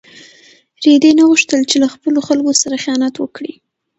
رېدي نه غوښتل چې له خپلو خلکو سره خیانت وکړي.